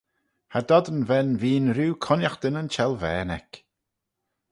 Cha dod yn ven veen rieau cooinaghtyn yn çhellvane eck.